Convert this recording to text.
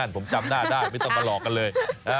สาวที่นั่นผมจำหน้าได้ไม่ต้องมาหลอกกันเลย